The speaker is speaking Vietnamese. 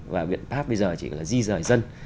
và biện pháp bây giờ chỉ là di rời dân